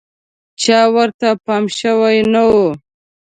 چا ورته پام شوی نه و.